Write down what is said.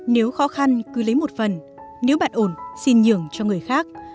nếu khó khăn cứ lấy một phần nếu bạn ổn xin nhường cho người khác